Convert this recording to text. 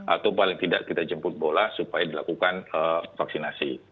atau paling tidak kita jemput bola supaya dilakukan vaksinasi